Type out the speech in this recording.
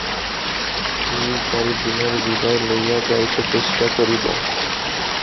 দুই-চারি দিনের বিদায় লইয়া যাইতে চেষ্টা করিব।